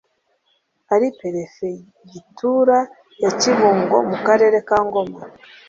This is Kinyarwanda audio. ari perefegitura ya kibungo mukarere kangoma